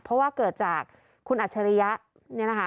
เพราะว่าเกิดจากคุณอัจฉริยะเนี่ยนะคะ